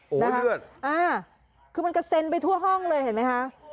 โอ้โหเลือดอ่าคือมันกระเซ็นไปทั่วห้องเลยเห็นไหมคะ